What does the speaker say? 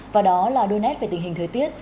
và đó là đôi nét về tình hình thời tiết